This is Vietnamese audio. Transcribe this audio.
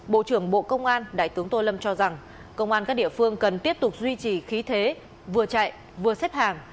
bộ trưởng bộ công an đại tướng tô lâm cho rằng công an các địa phương cần tiếp tục duy trì khí thế vừa chạy vừa xếp hàng